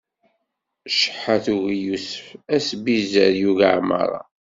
Ceḥḥa tugi Yusef, asbizzer yugi Ɛmaṛa.